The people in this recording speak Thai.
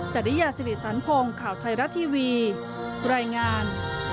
จริยาสิริสันพงศ์ข่าวไทยรัฐทีวีรายงาน